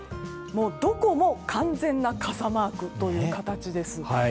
どこも完全な傘マークという形です。